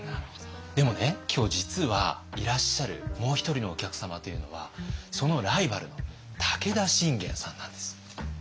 でもね今日実はいらっしゃるもう一人のお客様というのはそのライバルの武田信玄さんなんです。